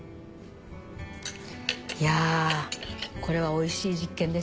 いやこれはおいしい実験ですね。